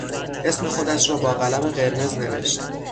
اسم خودش را با قلم قرمز نوشت.